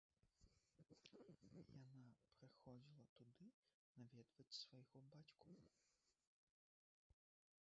Яна прыходзіла туды наведваць свайго бацьку.